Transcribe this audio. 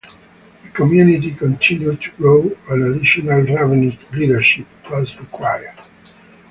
The community continued to grow and additional Rabbinic leadership was required.